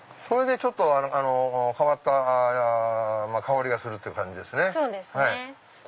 それでちょっと変わった香りがするって感じですね。